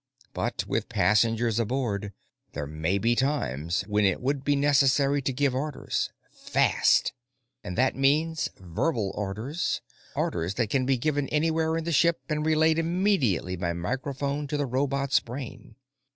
But with passengers aboard, there may be times when it would be necessary to give orders fast! And that means verbal orders, orders that can be given anywhere in the ship and relayed immediately by microphone to the robot's brain.